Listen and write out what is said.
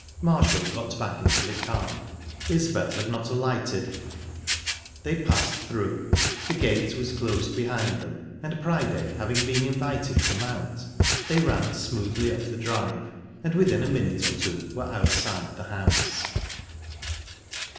Marshall got back into the car Isbel had not alighted they passed through, the gate was closed behind them, and Priday having been invited to mount, they ran smoothly up the drive, and within a minute or two were outside the house.